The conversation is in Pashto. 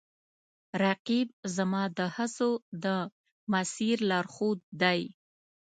رقیب زما د هڅو د مسیر لارښود دی